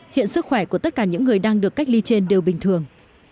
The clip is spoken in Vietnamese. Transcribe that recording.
hiện sức khỏe của tất cả những người đang được cách ly trên đều bình thường